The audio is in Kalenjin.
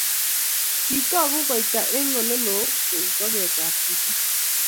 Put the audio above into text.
Kitooku koita eng oleloo kou toket ab chito